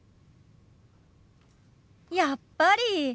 やっぱり！